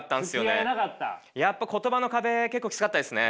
やっぱ言葉の壁結構きつかったですね。